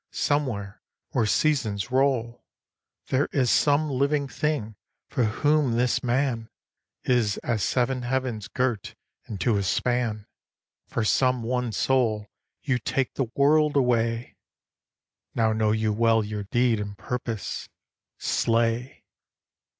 somewhere where seasons roll There is some living thing for whom this man Is as seven heavens girt into a span, For some one soul you take the world away Now know you well your deed and purpose. Slay!'